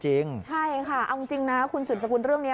เอาจริงนะคุณสื่อสระกุลเรื่องนี้